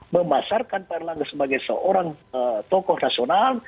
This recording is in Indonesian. memasarkan payarlangga sebagai seorang tokoh nasional